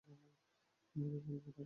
মেরেই ফেলব তোকে।